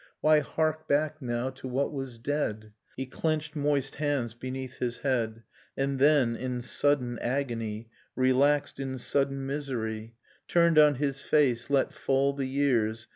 Why hark back now to what was dead? He clenched moist hands beneath his head; And then, in sudden agony, Relaxed in sudden misery. Turned on his face, let fall the years.